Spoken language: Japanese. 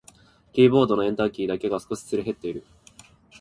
キーボードのエンターキーだけが少しすり減っている。